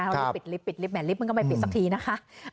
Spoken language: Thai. ต้องปิดลิฟต์แหมลิฟต์มึงก็ไม่ปิดสักทีนะคะ